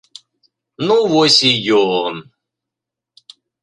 Ну вось і ён!